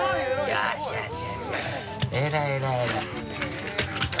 よしよし